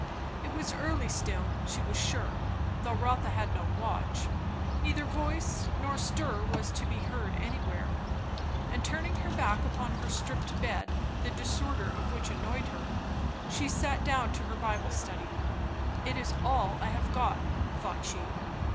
It was early still, she was sure, though Rotha had no watch; neither voice nor stir was to be heard anywhere; and turning her back upon her stripped bed, the disorder of which annoyed her, she sat down to her Bible study. It is all I have got! thought she.